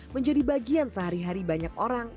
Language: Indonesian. menjadi bagian sehari hari banyak orang